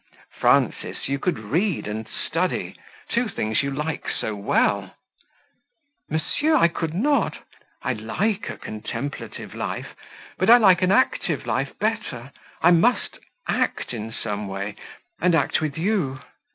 "Frances, you could read and study two things you like so well." "Monsieur, I could not; I like a contemplative life, but I like an active life better; I must act in some way, and act with you.